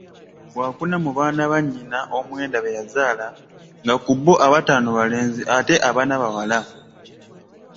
Waakuna mu baana bannyina omwenda beyazaala nga ku bbo abataano balenzi ate abana bawala